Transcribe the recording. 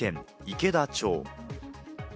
池田町。